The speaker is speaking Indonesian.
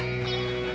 kalau gitu pak kamtip